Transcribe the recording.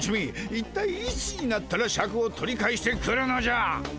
一体いつになったらシャクを取り返してくるのじゃ。